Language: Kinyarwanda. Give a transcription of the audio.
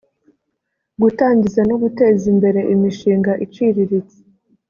gutangiza no guteza imbere imishinga iciriritse